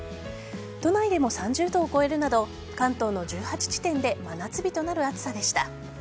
都内でも３０度を超えるなど関東の１８地点で真夏日となる暑さでした。